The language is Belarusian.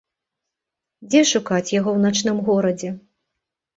Дзе шукаць яго ў начным горадзе?